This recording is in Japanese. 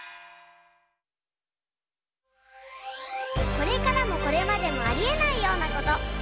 これからもこれまでもありえないようなこと。